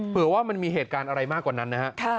เผื่อว่ามันมีเหตุการณ์อะไรมากกว่านั้นนะฮะ